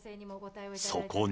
そこに。